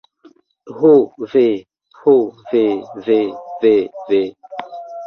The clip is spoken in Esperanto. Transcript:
Ho ve. Ho ve ve ve ve.